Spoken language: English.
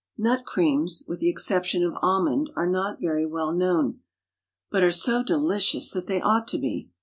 Nut creams, with the exception of almond, are not very well known, but are so delicious that they ought to be.